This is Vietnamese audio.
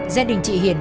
gia đình chị hiền